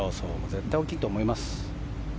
絶対大きいと思います。